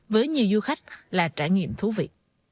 với nhiều du khách là trải nghiệm thú vị